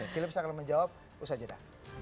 philip sanggal menjawab usaha jeda